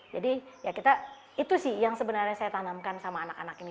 jadi itu sih yang sebenarnya saya tanamkan sama anak anak ini